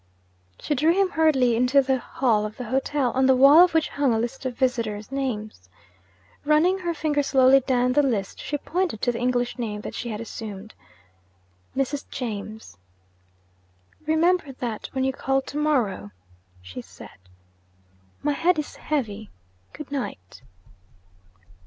She drew him hurriedly into the hall of the hotel, on the wall of which hung a list of visitors' names. Running her finger slowly down the list, she pointed to the English name that she had assumed: 'Mrs. James.' 'Remember that when you call to morrow,' she said. 'My head is heavy. Good night.'